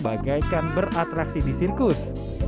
bagaikan beratraksi di sirkus